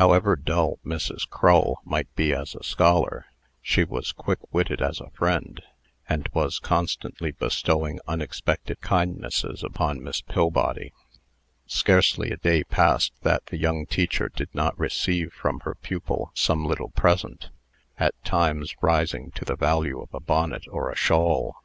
However dull Mrs. Crull might be as a scholar, she was quick witted as a friend, and was constantly bestowing unexpected kindnesses upon Miss Pillbody. Scarcely a day passed that the young teacher did not receive from her pupil some little present at times rising to the value of a bonnet or a shawl. Mrs.